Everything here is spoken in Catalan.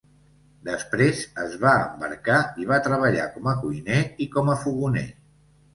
Després es va embarcar i va treballar com a cuiner i com a fogoner.